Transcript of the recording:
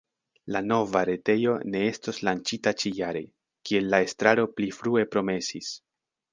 La nova retejo ne estos lanĉita ĉi-jare, kiel la estraro pli frue promesis.